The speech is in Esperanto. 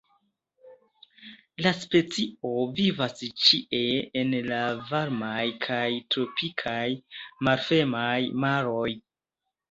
La specio vivas ĉie en la varmaj kaj tropikaj malfermaj maroj.